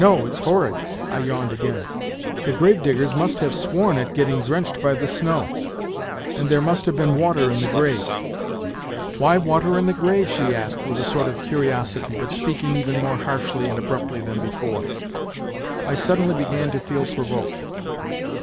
' No, it's horrid." (I yawned again.) " The gravediggers must have sworn at getting drenched by the snow. And there must have been water in the grave." NOTES FROM UNDERGROUND 121 " Why water in the grave ?" she asked, with a sort of curiosity, but speaking even more harshly and abruptly than before. I suddenly began to feel provoked.